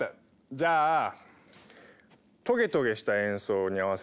じゃあトゲトゲした演奏に合わせてみるのはどう？